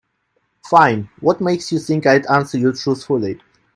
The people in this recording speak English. Fine, what makes you think I'd answer you truthfully?